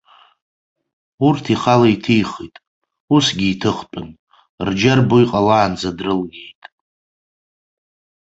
Урҭ ихала иҭихит, усгьы иҭыхтәын, рџьа рбо иҟалаанӡа дрылгеит.